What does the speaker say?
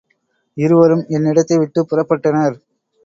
இருவரும் என் இடத்தை விட்டுப் புறப்பட்டனர்.